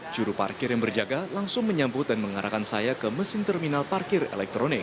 juru parkir yang berjaga langsung menyambut dan mengarahkan saya ke mesin terminal parkir elektronik